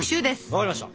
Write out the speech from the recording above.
分かりました。